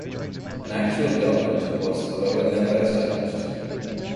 An actual government was, however, never established.